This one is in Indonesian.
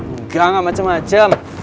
engga gak macem macem